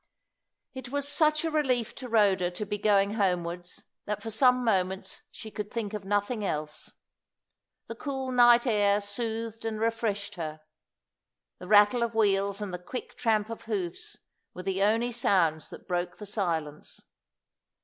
It was such a relief to Rhoda to be going homewards, that for some moments she could think of nothing else. The cool night air soothed and refreshed her. The rattle of wheels and the quick tramp of hoofs were the only sounds that broke the silence.